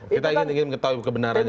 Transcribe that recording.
kita ingin mengetahui kebenarannya